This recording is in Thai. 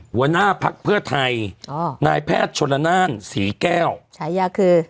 หัวหน้าพักเพื่อไทยอ๋อนายแพทย์ชี่แก้วอย่างคือ